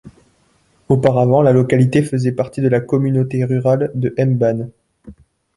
Auparavant la localité faisait partie de la communauté rurale de Mbane.